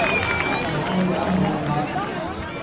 نآنگ جآم هوئين دآ۔